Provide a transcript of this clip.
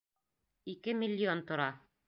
Ике миллион тора.